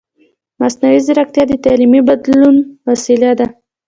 مصنوعي ځیرکتیا د تعلیمي بدلون وسیله ده.